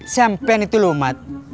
sampean itu loh mat